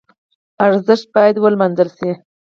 ارزښت باید ولمانځل شي.